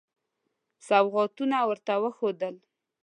سوغاتونه ورته وښودل.